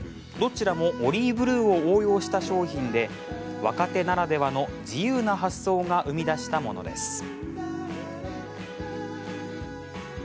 どちらも、オリイブルーを応用した商品で若手ならではの自由な発想が生み出したものです。